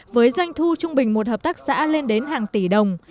với doanh thu trung bình một hợp tác xã lên đến hàng tỷ đồng